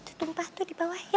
itu tumpah tuh dibawah ya